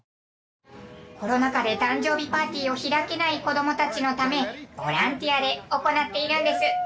コロナ禍で誕生日パーティーを開けない子どもたちのためボランティアで行っているんです。